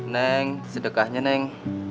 neng sedekahnya neng